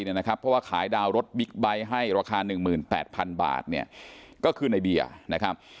เพราะว่าขายดาวรถบิ๊กใบให้ราคา๑๘๐๐๐บาทก็คือในเบียร์